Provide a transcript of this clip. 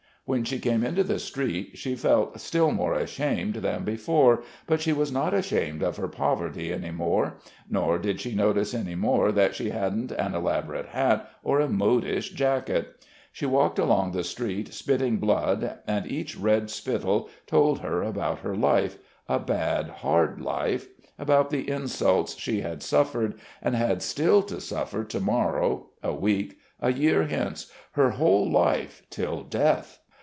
When she came into the street she felt still more ashamed than before, but she was not ashamed of her poverty any more. Nor did she notice any more that she hadn't an elaborate hat or a modish jacket. She walked along the street spitting blood and each red spittle told her about her life, a bad, hard life; about the insults she had suffered and had still to suffer to morrow, a week, a year hence her whole life, till death....